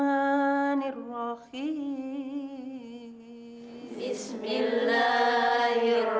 yang itu berapa pintarnyael